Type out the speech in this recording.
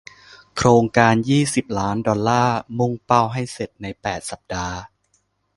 โครงการยี่สิบล้านดอลลาร์มุ่งเป้าให้เสร็จในแปดสัปดาห์